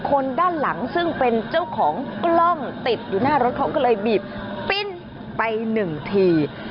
คนด้านหลังซึ่งเป็นเจ้าของกล้องติดอยู่หน้ารถเขาก็เลยบีบปิ้นไปหนึ่งที